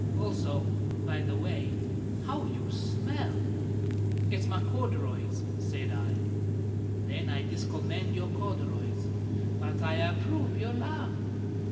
Also, by the way, how you smell!" "It's my corduroys," said I. "Then I discommend your corduroys. But I approve your laugh.